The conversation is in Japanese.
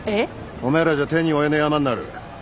おめえらじゃ手に負えねえヤマになる。